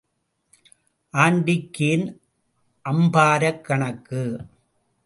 ஆண்டிக்கு ஏன் அம்பாரக் கணக்கு?